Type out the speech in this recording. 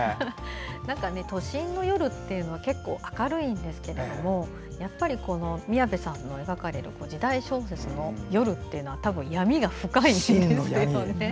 何か都心の夜って結構明るいんですけどやっぱり宮部さんの書かれる時代小説の夜っていうのは闇が深いんですよね。